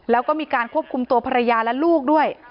แล้วก็มีการควบคุมตัวภรรยาและลูกด้วย